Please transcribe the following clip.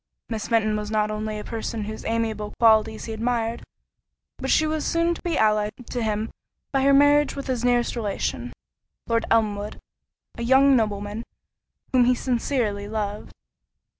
Miss Fenton was not only a person whose amiable qualities he admired, but she was soon to be allied to him by her marriage with his nearest relation, Lord Elmwood, a young nobleman whom he sincerely loved.